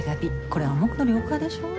これ暗黙の了解でしょ。